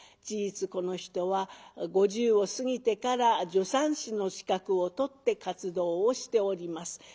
事実この人は５０を過ぎてから助産師の資格を取って活動をしております。